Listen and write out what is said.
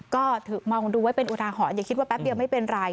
ก็ถือมองดูไว้เป็นอุทาหรณอย่าคิดว่าแป๊บเดียวไม่เป็นไร